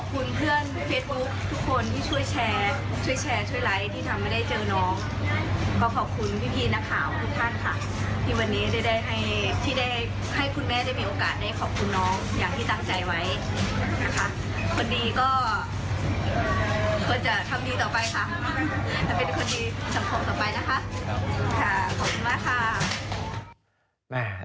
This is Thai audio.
คนดีก็ควรจะทำดีต่อไปค่ะเป็นคนดีสังคมต่อไปนะคะค่ะขอบคุณมากค่ะ